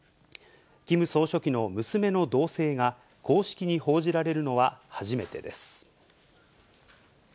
キム総書記の娘の動静が公式に報じられるのは初めてです。